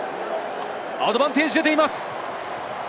アドバンテージが出ています。